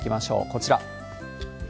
こちら。